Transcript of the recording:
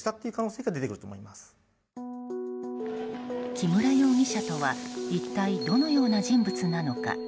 木村容疑者とは一体どのような人物なのか。